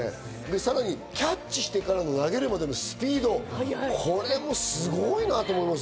さらにキャッチしてから投げるまでのスピード、これもすごいなと思います。